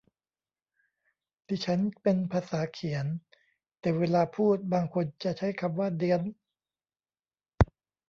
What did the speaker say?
ดิฉันเป็นภาษาเขียน แต่เวลาพูดบางคนจะใช้คำว่าเดี๊ยน